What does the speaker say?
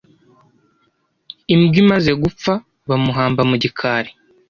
imbwa imaze gupfa, bamuhamba mu gikari